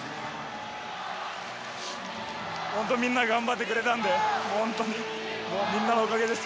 本当にみんなが頑張ってくれたのでみんなのおかげです。